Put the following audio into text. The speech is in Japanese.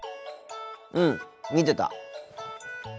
うん見てた。